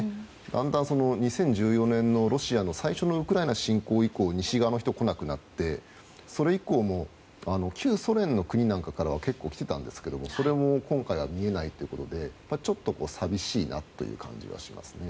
だんだん２０１４年のロシアの最初のウクライナ侵攻以降西側の人が来なくなってそれ以降旧ソ連の国なんかからは結構来てたんですけど、それも今回は見えないということでちょっと寂しいなっていう感じがしますね。